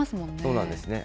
そうなんですね。